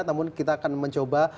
namun kita akan mencoba